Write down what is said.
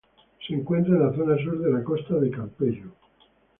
Se encuentra en la zona sur de la costa de Campello.